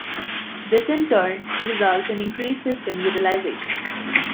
This in turn results in increased system utilization.